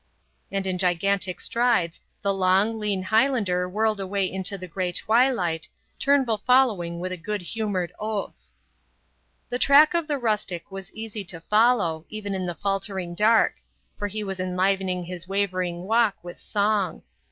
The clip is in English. And in gigantic strides the long, lean Highlander whirled away into the grey twilight, Turnbull following with a good humoured oath. The track of the rustic was easy to follow, even in the faltering dark; for he was enlivening his wavering walk with song.